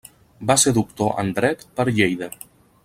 Va ser doctor en dret per Lleida.